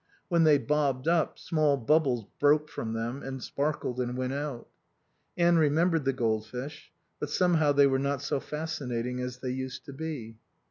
When they bobbed up, small bubbles broke from them and sparkled and went out. Anne remembered the goldfish; but somehow they were not so fascinating as they used to be.